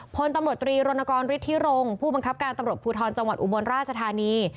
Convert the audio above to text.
พลตำรวจตรีรณกรฤทธิรงค์ผู้บังคับการตำรวจภูทรจังหวัดอุบลราชธานี